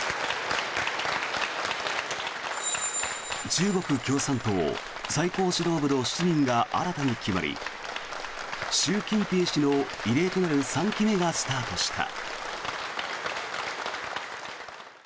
中国共産党最高指導部の７人が新たに決まり習近平氏の異例となる３期目がスタートした。